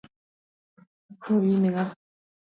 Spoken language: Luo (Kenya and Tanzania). To in ng'a?